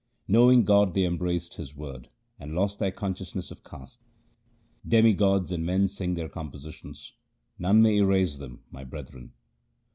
Knowing God they embraced His word, and lost their consciousness of caste. Demigods and men sing their compositions ; none may erase them, my brethren.